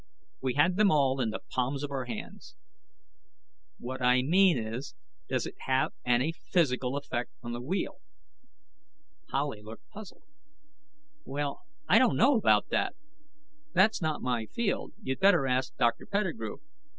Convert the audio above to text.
We had them all in the palms of our hands. "What I mean is, does it have any physical effect on the wheel?" Howley looked puzzled. "Well, I don't know about that. That's not my field. You better ask Dr. Pettigrew."